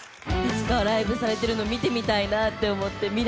いつかライブされてるの見てみたいなと思って。